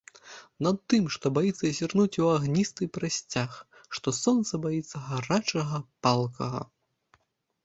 Над тым, што баіцца зірнуць у агністы прасцяг, што сонца баіцца гарачага, палкага.